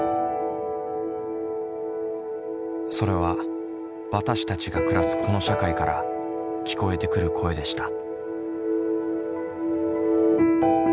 それは「わたしたち」が暮らすこの社会から聞こえてくる声でした。